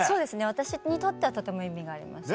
私にとってはとても意味がありました。